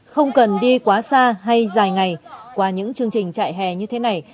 không cần đi quá xa hay dài ngày qua những chương trình trại hè như thế này